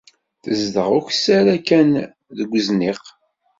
Tezdeɣ ukessar-a kan deg wezniq.